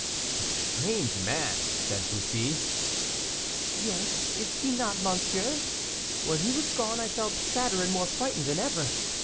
"A strange man," said Bussy. "Yes, is he not, monsieur? When he was gone I felt sadder and more frightened than ever.